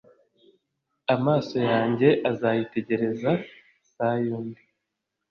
Amaso yanjye azayitegereza si ayundi